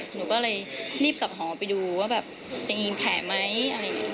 หนูก็เลยรีบกลับหอไปดูว่าแบบจะยิงแผลไหมอะไรอย่างนี้